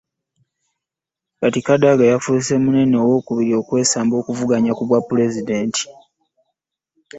Kati Kadaga yafuuse omunene owookubiri okwesamba okuvuganya ku bwa pulezidenti